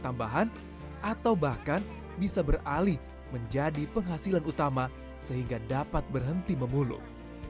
tambahan atau bahkan bisa beralih menjadi penghasilan utama sehingga dapat berhenti memulung